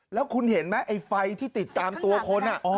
แล้วคุณเห็นไหมไอ้ไฟที่ติดตามตัวคน